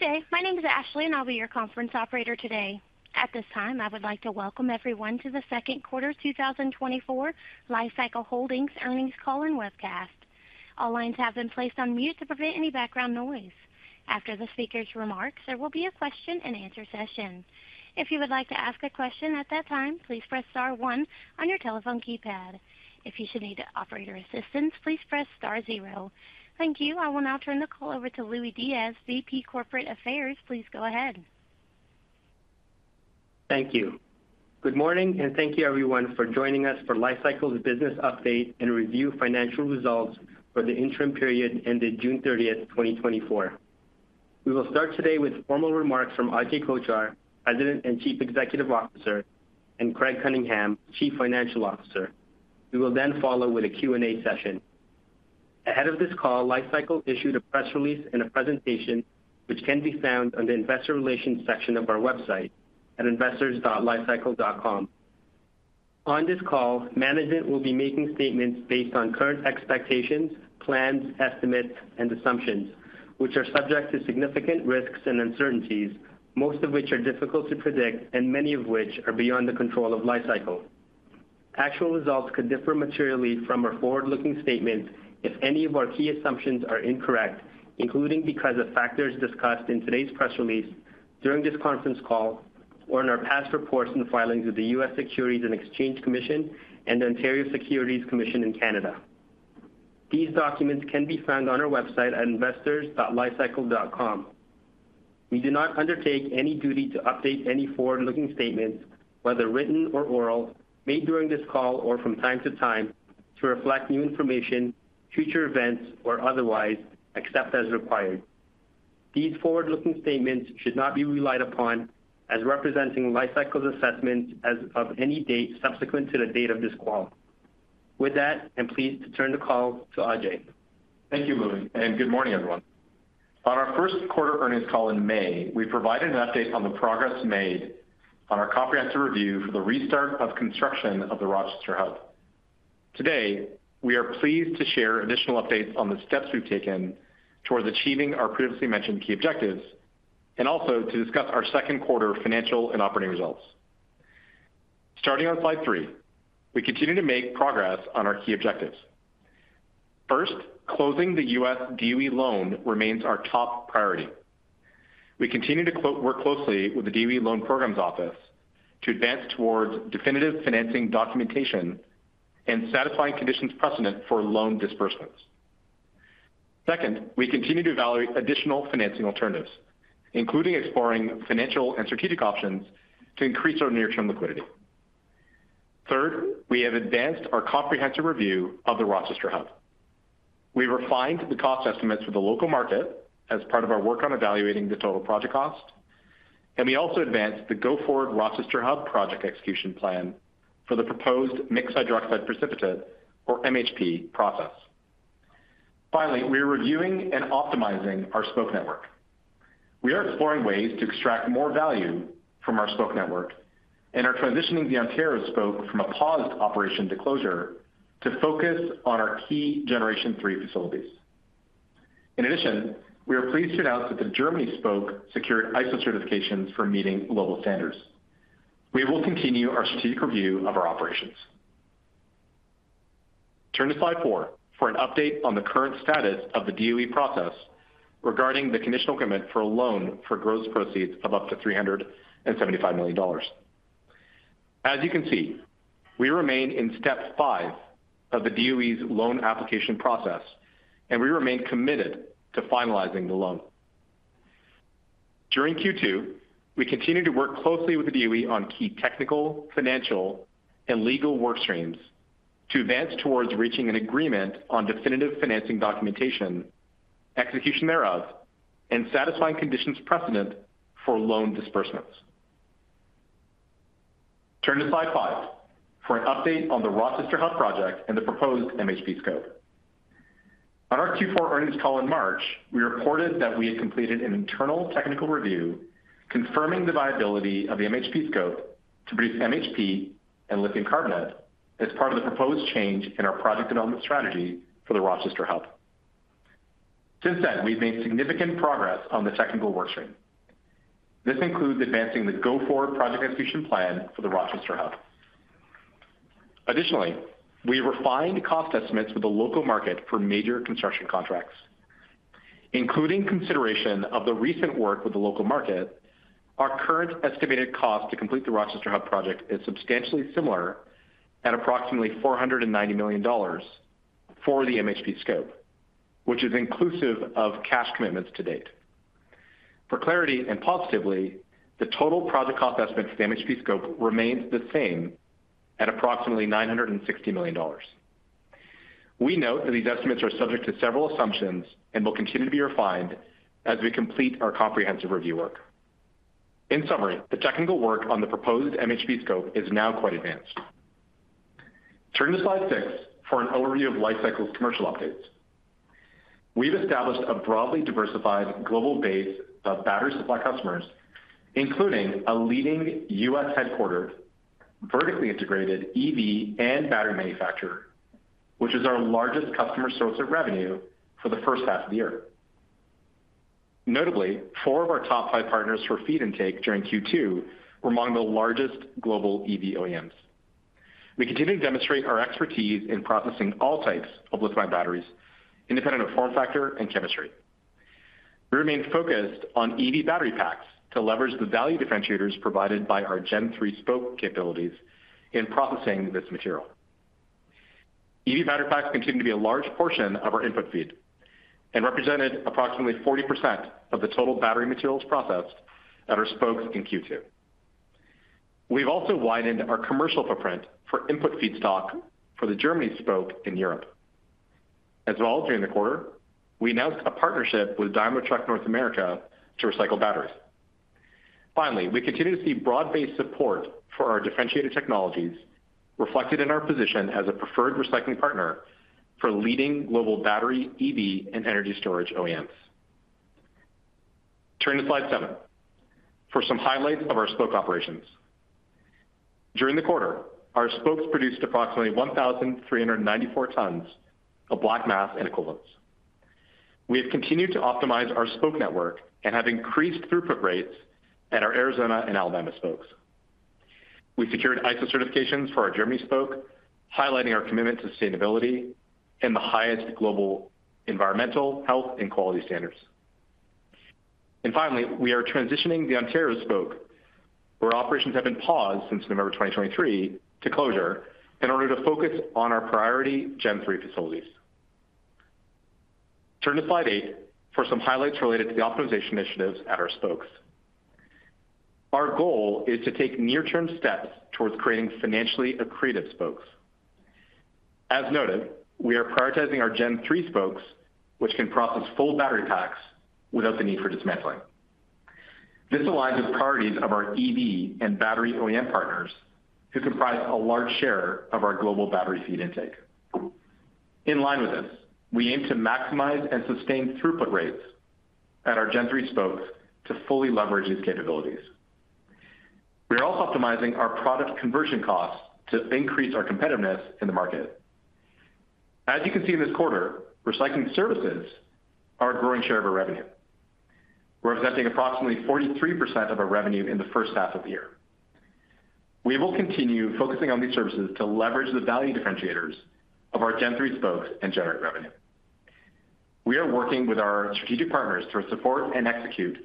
Good day. My name is Ashley, and I'll be your conference operator today. At this time, I would like to welcome everyone to the second quarter 2024 Li-Cycle Holdings earnings call and webcast. All lines have been placed on mute to prevent any background noise. After the speaker's remarks, there will be a question-and-answer session. If you would like to ask a question at that time, please press star one on your telephone keypad. If you should need operator assistance, please press star zero. Thank you. I will now turn the call over to Louie Diaz, VP Corporate Affairs. Please go ahead. Thank you. Good morning, and thank you everyone for joining us for Li-Cycle's business update and review financial results for the interim period ended June 30th, 2024. We will start today with formal remarks from Ajay Kochhar, President and Chief Executive Officer, and Craig Cunningham, Chief Financial Officer. We will then follow with a Q&A session. Ahead of this call, Li-Cycle issued a press release and a presentation which can be found on the investor relations section of our website at investors.li-cycle.com. On this call, management will be making statements based on current expectations, plans, estimates, and assumptions, which are subject to significant risks and uncertainties, most of which are difficult to predict and many of which are beyond the control of Li-Cycle. Actual results could differ materially from our forward-looking statements if any of our key assumptions are incorrect, including because of factors discussed in today's press release, during this conference call, or in our past reports and filings with the U.S. Securities and Exchange Commission and the Ontario Securities Commission in Canada. These documents can be found on our website at investors.li-cycle.com. We do not undertake any duty to update any forward-looking statements, whether written or oral, made during this call or from time to time, to reflect new information, future events, or otherwise, except as required. These forward-looking statements should not be relied upon as representing Li-Cycle's assessments as of any date subsequent to the date of this call. With that, I'm pleased to turn the call to Ajay. Thank you, Louie, and good morning, everyone. On our first quarter earnings call in May, we provided an update on the progress made on our comprehensive review for the restart of construction of the Rochester Hub. Today, we are pleased to share additional updates on the steps we've taken towards achieving our previously mentioned key objectives and also to discuss our second quarter financial and operating results. Starting on slide 3, we continue to make progress on our key objectives. First, closing the U.S. DOE loan remains our top priority. We continue to work closely with the DOE Loan Programs Office to advance towards definitive financing documentation and satisfying conditions precedent for loan disbursements. Second, we continue to evaluate additional financing alternatives, including exploring financial and strategic options to increase our near-term liquidity. Third, we have advanced our comprehensive review of the Rochester Hub. We refined the cost estimates for the local market as part of our work on evaluating the total project cost, and we also advanced the go-forward Rochester Hub project execution plan for the proposed mixed hydroxide precipitate, or MHP, process. Finally, we are reviewing and optimizing our Spoke network. We are exploring ways to extract more value from our Spoke network and are transitioning the Ontario Spoke from a paused operation to closure to focus on our key Generation Three facilities. In addition, we are pleased to announce that the Germany Spoke secured ISO certifications for meeting global standards. We will continue our strategic review of our operations. Turn to slide 4 for an update on the current status of the DOE process regarding the conditional commitment for a loan for gross proceeds of up to $375 million. As you can see, we remain in step 5 of the DOE's loan application process, and we remain committed to finalizing the loan. During Q2, we continued to work closely with the DOE on key technical, financial, and legal work streams to advance towards reaching an agreement on definitive financing documentation, execution thereof, and satisfying conditions precedent for loan disbursements. Turn to slide 5 for an update on the Rochester Hub project and the proposed MHP scope. On our Q4 earnings call in March, we reported that we had completed an internal technical review confirming the viability of the MHP scope to produce MHP and lithium carbonate as part of the proposed change in our project development strategy for the Rochester Hub. Since then, we've made significant progress on the technical work stream. This includes advancing the go-forward project execution plan for the Rochester Hub. Additionally, we refined cost estimates with the local market for major construction contracts, including consideration of the recent work with the local market. Our current estimated cost to complete the Rochester Hub project is substantially similar at approximately $490 million for the MHP scope, which is inclusive of cash commitments to date. For clarity and positively, the total project cost estimate for the MHP scope remains the same at approximately $960 million. We note that these estimates are subject to several assumptions and will continue to be refined as we complete our comprehensive review work. In summary, the technical work on the proposed MHP scope is now quite advanced. Turn to slide 6 for an overview of Li-Cycle's commercial updates. We've established a broadly diversified global base of battery supply customers, including a leading U.S.-headquartered, vertically integrated EV and battery manufacturer.... which is our largest customer source of revenue for the first half of the year. Notably, four of our top five partners for feed intake during Q2 were among the largest global EV OEMs. We continue to demonstrate our expertise in processing all types of lithium-ion batteries, independent of form factor and chemistry. We remain focused on EV battery packs to leverage the value differentiators provided by our Gen Three Spoke capabilities in processing this material. EV battery packs continue to be a large portion of our input feed and represented approximately 40% of the total battery materials processed at our Spokes in Q2. We've also widened our commercial footprint for input feedstock for the Germany Spoke in Europe. As well, during the quarter, we announced a partnership with Daimler Truck North America to recycle batteries. Finally, we continue to see broad-based support for our differentiated technologies, reflected in our position as a preferred recycling partner for leading global battery, EV, and energy storage OEMs. Turn to slide 7, for some highlights of our Spoke operations. During the quarter, our spokes produced approximately 1,394 tons of black mass and equivalents. We have continued to optimize our spoke network and have increased throughput rates at our Arizona and Alabama Spokes. We secured ISO certifications for our Germany Spoke, highlighting our commitment to sustainability and the highest global environmental, health, and quality standards. And finally, we are transitioning the Ontario Spoke, where operations have been paused since November 2023, to closure in order to focus on our priority Gen Three facilities. Turn to slide 8 for some highlights related to the optimization initiatives at our spokes. Our goal is to take near-term steps towards creating financially accretive Spokes. As noted, we are prioritizing our Gen Three Spokes, which can process full battery packs without the need for dismantling. This aligns with priorities of our EV and battery OEM partners, who comprise a large share of our global battery feed intake. In line with this, we aim to maximize and sustain throughput rates at our Gen Three Spokes to fully leverage these capabilities. We are also optimizing our product conversion costs to increase our competitiveness in the market. As you can see in this quarter, recycling services are a growing share of our revenue. We're accepting approximately 43% of our revenue in the first half of the year. We will continue focusing on these services to leverage the value differentiators of our Gen Three Spokes and generate revenue. We are working with our strategic partners to support and execute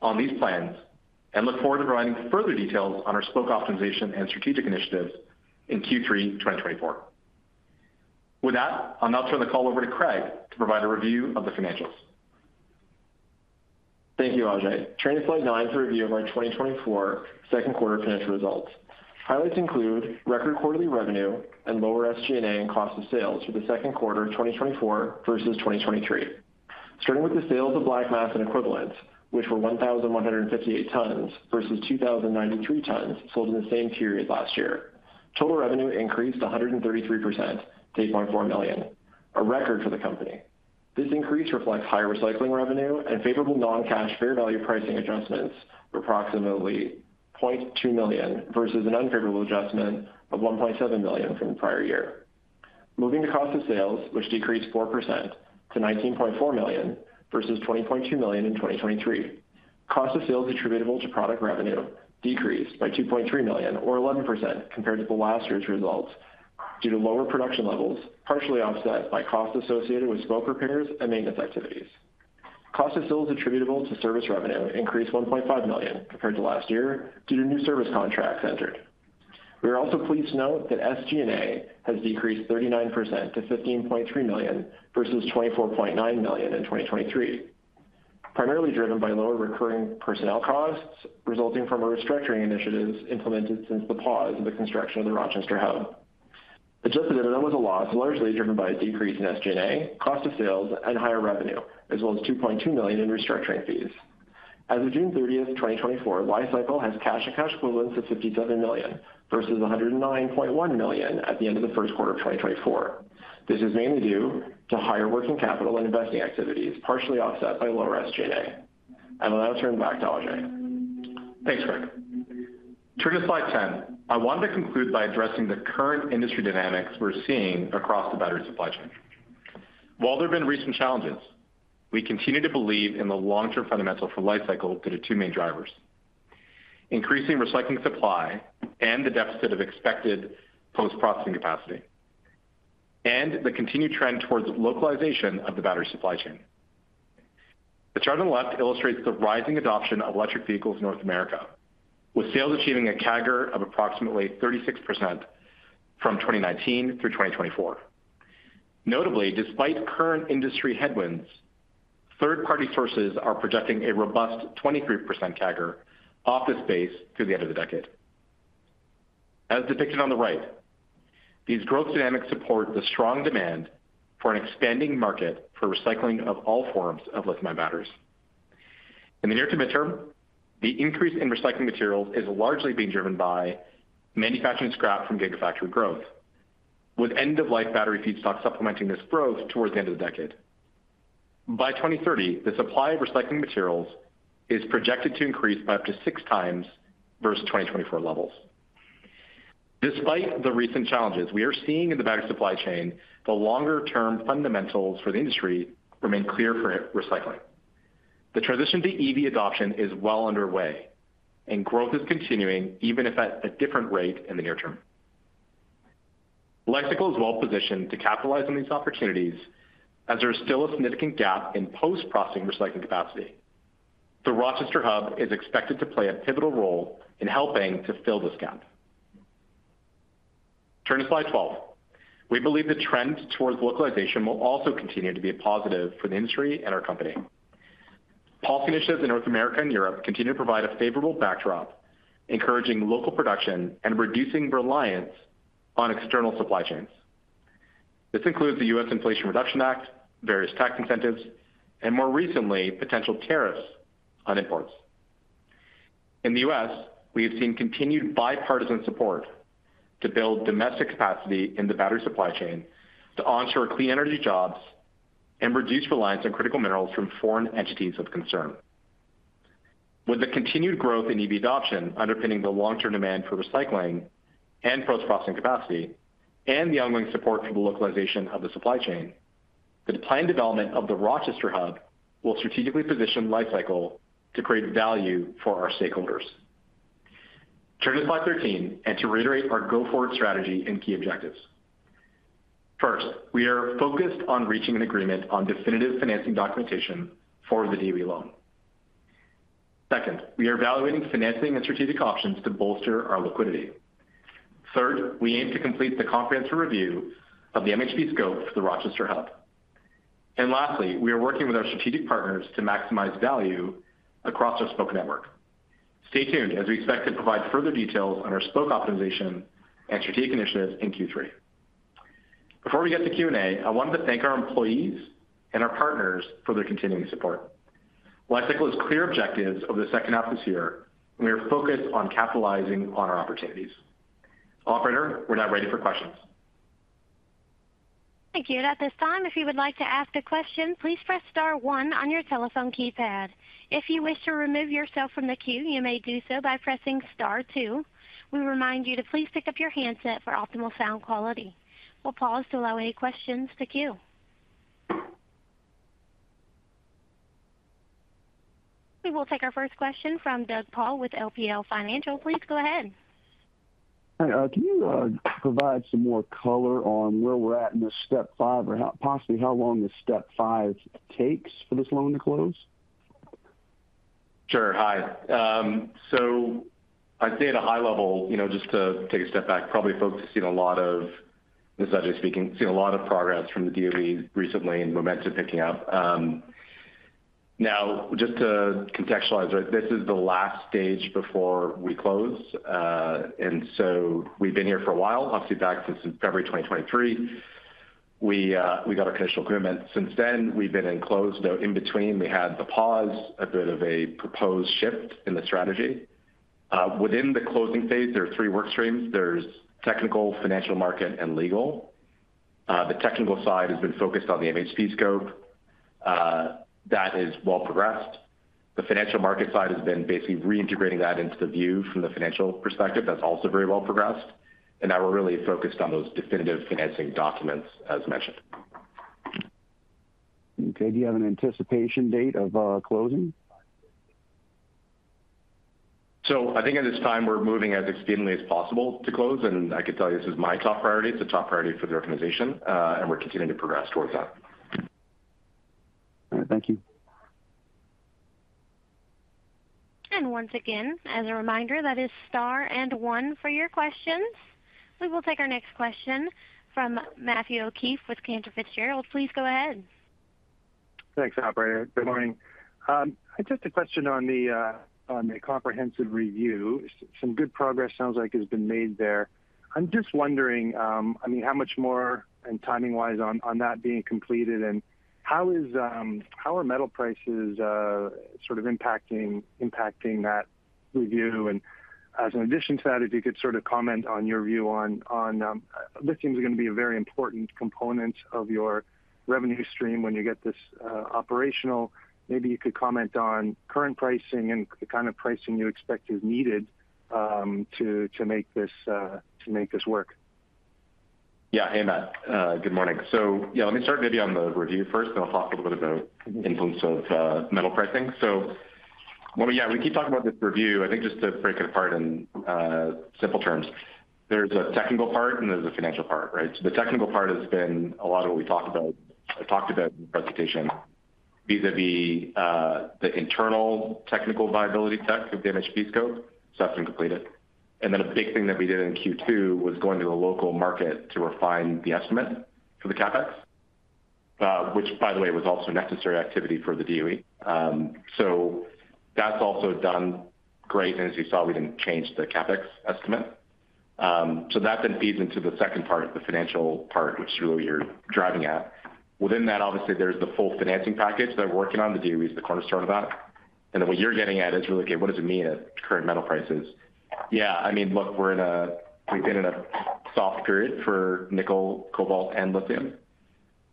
on these plans, and look forward to providing further details on our Spoke optimization and strategic initiatives in Q3 2024. With that, I'll now turn the call over to Craig to provide a review of the financials. Thank you, Ajay. Turning to slide 9 for a review of our 2024 second quarter financial results. Highlights include record quarterly revenue and lower SG&A and cost of sales for the second quarter of 2024 versus 2023. Starting with the sales of black mass and equivalents, which were 1,158 tons versus 2,093 tons sold in the same period last year. Total revenue increased 133% to $8.4 million, a record for the company. This increase reflects higher recycling revenue and favorable non-cash fair value pricing adjustments of approximately $0.2 million versus an unfavorable adjustment of $1.7 million from the prior year. Moving to cost of sales, which decreased 4% to $19.4 million versus $20.2 million in 2023. Cost of sales attributable to product revenue decreased by $2.3 million or 11% compared to the last year's results, due to lower production levels, partially offset by costs associated with Spoke repairs and maintenance activities. Cost of sales attributable to service revenue increased $1.5 million compared to last year due to new service contracts entered. We are also pleased to note that SG&A has decreased 39% to $15.3 million versus $24.9 million in 2023, primarily driven by lower recurring personnel costs resulting from our restructuring initiatives implemented since the pause of the construction of the Rochester Hub. Adjusted EBITDA was a loss, largely driven by a decrease in SG&A, cost of sales, and higher revenue, as well as $2.2 million in restructuring fees. As of June 30, 2024, Li-Cycle has cash and cash equivalents of $57 million, versus $109.1 million at the end of the first quarter of 2024. This is mainly due to higher working capital and investing activities, partially offset by lower SG&A. I will now turn it back to Ajay. Thanks, Craig. Turn to slide 10. I wanted to conclude by addressing the current industry dynamics we're seeing across the battery supply chain. While there have been recent challenges, we continue to believe in the long-term fundamental for Li-Cycle due to two main drivers: increasing recycling supply and the deficit of expected post-processing capacity, and the continued trend towards localization of the battery supply chain. The chart on the left illustrates the rising adoption of electric vehicles in North America, with sales achieving a CAGR of approximately 36% from 2019 through 2024. Notably, despite current industry headwinds, third-party sources are projecting a robust 23% CAGR off this base through the end of the decade. As depicted on the right, these growth dynamics support the strong demand for an expanding market for recycling of all forms of lithium-ion batteries. In the near to mid-term, the increase in recycling materials is largely being driven by manufacturing scrap from Gigafactory growth, with end-of-life battery feedstock supplementing this growth towards the end of the decade. By 2030, the supply of recycling materials is projected to increase by up to 6 times versus 2024 levels. Despite the recent challenges we are seeing in the battery supply chain, the longer-term fundamentals for the industry remain clear for recycling. The transition to EV adoption is well underway, and growth is continuing, even if at a different rate in the near term. Li-Cycle is well positioned to capitalize on these opportunities as there is still a significant gap in post-processing recycling capacity. The Rochester Hub is expected to play a pivotal role in helping to fill this gap. Turning to slide 12. We believe the trend towards localization will also continue to be a positive for the industry and our company. Policy initiatives in North America and Europe continue to provide a favorable backdrop, encouraging local production and reducing reliance on external supply chains. This includes the U.S. Inflation Reduction Act, various tax incentives, and more recently, potential tariffs on imports. In the U.S., we have seen continued bipartisan support to build domestic capacity in the battery supply chain, to onshore clean energy jobs and reduce reliance on critical minerals from foreign entities of concern. With the continued growth in EV adoption underpinning the long-term demand for recycling and post-processing capacity and the ongoing support for the localization of the supply chain, the planned development of the Rochester Hub will strategically position Li-Cycle to create value for our stakeholders. Turning to slide 13, and to reiterate our go-forward strategy and key objectives. First, we are focused on reaching an agreement on definitive financing documentation for the DOE loan. Second, we are evaluating financing and strategic options to bolster our liquidity. Third, we aim to complete the comprehensive review of the MHP scope for the Rochester Hub. And lastly, we are working with our strategic partners to maximize value across our Spoke network. Stay tuned as we expect to provide further details on our Spoke optimization and strategic initiatives in Q3. Before we get to Q&A, I wanted to thank our employees and our partners for their continuing support. Li-Cycle has clear objectives over the second half of this year, and we are focused on capitalizing on our opportunities. Operator, we're now ready for questions. Thank you. At this time, if you would like to ask a question, please press star one on your telephone keypad. If you wish to remove yourself from the queue, you may do so by pressing star two. We remind you to please pick up your handset for optimal sound quality. We'll pause to allow any questions to queue. We will take our first question from Doug Paul with LPL Financial. Please go ahead. Hi, can you provide some more color on where we're at in this step five or how—possibly how long this step five takes for this loan to close? Sure. Hi. So, I'd say at a high level, you know, just to take a step back, probably folks have seen a lot of progress from the DOE recently, and momentum picking up. Now, just to contextualize, right, this is the last stage before we close. So, we've been here for a while. Obviously, back since February 2023, we got our conditional commitment. Since then, we've been in closing, though in between, we had the pause, a bit of a proposed shift in the strategy. Within the closing phase, there are three work streams. There's technical, financial, market, and legal. The technical side has been focused on the MHP scope. That is well progressed. The financial market side has been basically reintegrating that into the view from the financial perspective. That's also very well progressed, and now we're really focused on those definitive financing documents, as mentioned. Okay. Do you have an anticipated date of closing? I think at this time, we're moving as extremely as possible to close, and I can tell you this is my top priority. It's a top priority for the organization, and we're continuing to progress towards that. All right. Thank you. Once again, as a reminder, that is star and one for your questions. We will take our next question from Matthew O'Keefe with Cantor Fitzgerald. Please go ahead. Thanks, operator. Good morning. Just a question on the comprehensive review. Some good progress, sounds like, has been made there. I'm just wondering, I mean, how much more and timing-wise on that being completed, and how are metal prices sort of impacting that review? And as an addition to that, if you could sort of comment on your view on listings are going to be a very important component of your revenue stream when you get this operational. Maybe you could comment on current pricing and the kind of pricing you expect is needed to make this work. Yeah. Hey, Matt, good morning. So, yeah, let me start maybe on the review first, then I'll talk a little bit about the influence of metal pricing. So, when we, yeah, we keep talking about this review, I think just to break it apart in simple terms, there's a technical part and there's a financial part, right? So, the technical part has been a lot of what we talked about, I talked about in the presentation, vis-a-vis the internal technical viability tech of the MHP scope. So that's been completed. And then a big thing that we did in Q2 was going to the local market to refine the estimate for the CapEx, which, by the way, was also a necessary activity for the DOE. So, that's also done great. And as you saw, we didn't change the CapEx estimate. So that then feeds into the second part, the financial part, which is really what you're driving at. Within that, obviously, there's the full financing package that we're working on. The DOE is the cornerstone of that. And what you're getting at is really, okay, what does it mean at current metal prices? Yeah, I mean, look, we're in a, we've been in a soft period for nickel, cobalt, and lithium.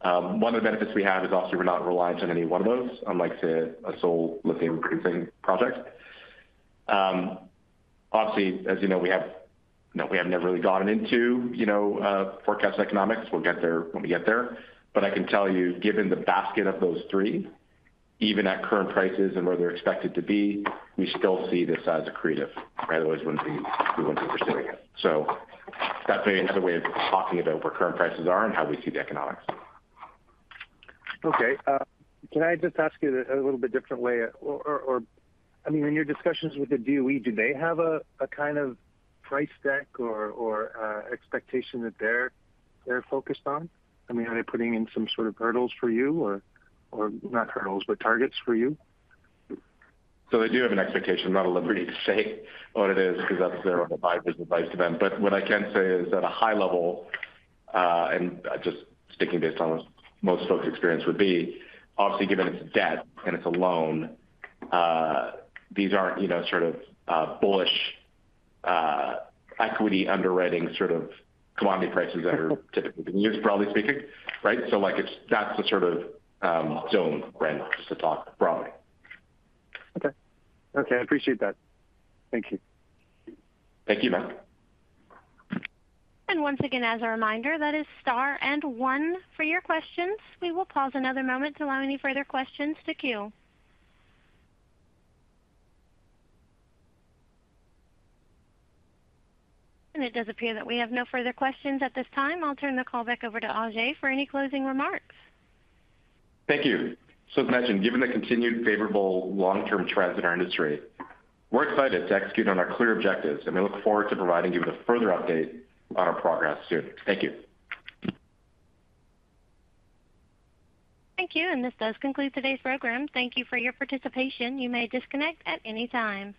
One of the benefits we have is, obviously, we're not reliant on any one of those, unlike to a sole lithium-producing project. Obviously, as you know, we have, you know, we have never really gotten into, you know, forecast economics. We'll get there when we get there. But I can tell you, given the basket of those three, even at current prices and where they're expected to be, we still see this as accretive, or otherwise, we wouldn't be, we wouldn't be pursuing it. So, that's another way of talking about where current prices are and how we see the economics. Okay. Can I just ask you a little bit different way? Or, I mean, in your discussions with the DOE, do they have a kind of price deck or expectation that they're focused on? I mean, are they putting in some sort of hurdles for you or not hurdles, but targets for you? So they do have an expectation. I'm not at liberty to say what it is, because that's their advice to them. But what I can say is, at a high level, and just sticking based on what most folks' experience would be, obviously, given it's a debt and it's a loan, these aren't, you know, sort of, bullish, equity underwriting sort of commodity prices that are typically been used, broadly speaking, right? So, like, it's. That's the sort of, zone range, just to talk broadly. Okay. Okay, I appreciate that. Thank you. Thank you, Matt. Once again, as a reminder, that is star and one for your questions. We will pause another moment to allow any further questions to queue. It does appear that we have no further questions at this time. I'll turn the call back over to Ajay for any closing remarks. Thank you. So as mentioned, given the continued favorable long-term trends in our industry, we're excited to execute on our clear objectives, and we look forward to providing you with a further update on our progress soon. Thank you. Thank you, and this does conclude today's program. Thank you for your participation. You may disconnect at any time.